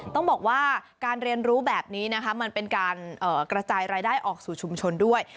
ต้องบอกว่าการเรียนรู้แบบนี้นะคะมันเป็นการกระจายรายได้ออกสู่ชุมชนด้วย